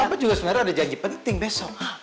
papa juga sebenernya ada janji penting besok